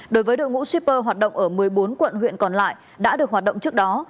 đối với đội ngũ shipper hoạt động ở một mươi bốn quận huyện còn lại đã được hoạt động trước đó